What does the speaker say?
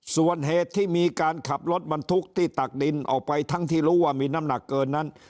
ส่วนเหตุที่มีการขับรถบรรทุกที่ตักดินออกไปทั้งที่รู้ว่ามีน้ำหนักเกินนั้น